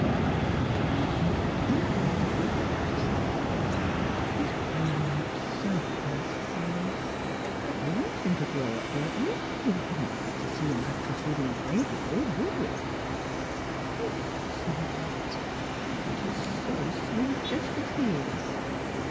"I think of it every day," she sighed: "he's growing up so fast, Silas." " But we want him to grow up, don't we? We wouldn't like to see him atrophied in babyhood, would we? "" Of course not! but he's so sweet just as he is.